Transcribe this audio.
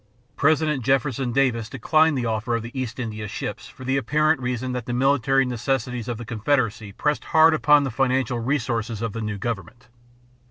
President Jefferson Davis declined the offer of the East India ships for the apparent reason that the military necessities of the Confederacy pressed hard upon the financial resources of the new government.